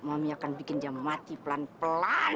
mami akan bikin dia mati pelan pelan